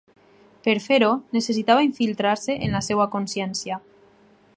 Per fer-ho, necessitava infiltrar-se en la seva consciència.